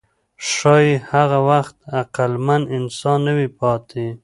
ښایي هغه وخت عقلمن انسان نه وي پاتې.